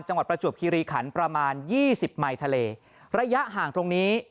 ประจวบคิริขันประมาณยี่สิบไมค์ทะเลระยะห่างตรงนี้